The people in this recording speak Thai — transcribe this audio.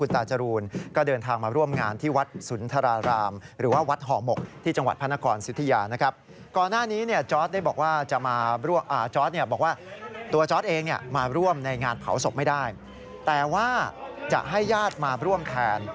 แต่ว่าจะให้ญาติมาร่วมแทน